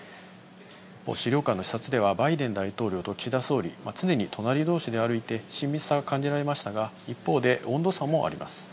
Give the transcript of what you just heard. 資料館の視察では、バイデン大統領と岸田総理、常に隣どうしで歩いて、親密さを感じられましたが、一方で温度差もあります。